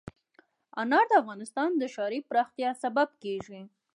انار د افغانستان د ښاري پراختیا سبب کېږي.